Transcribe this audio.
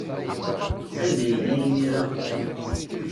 Anda yella imir-a?